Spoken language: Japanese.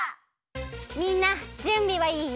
みんなじゅんびはいい？